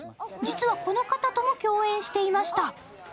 実はこの方とも共演していました。